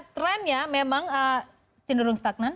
trennya memang cenderung stagnan